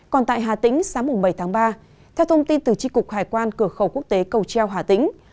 còn tại hà tĩnh sáng bảy tháng ba theo thông tin từ tri cục hải quan cửa khẩu quốc tế cầu treo hà tĩnh